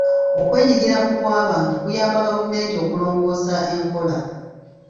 Okwenyigiramu kw'abantu kuyamba gavumenti okulongoosa enkola.